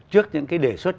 trước những cái đề xuất